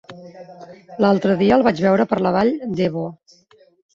L'altre dia el vaig veure per la Vall d'Ebo.